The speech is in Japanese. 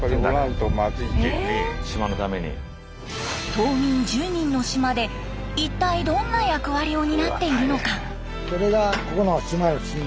島民１０人の島で一体どんな役割を担っているのか？